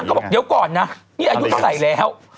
เขาบอกเดี๋ยวก่อนนะนี่อายุเท่าไหร่แล้ว